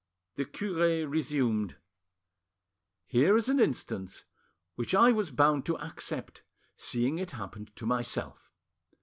The cure resumed— "Here is an instance which I was bound to accept, seeing it happened to myself.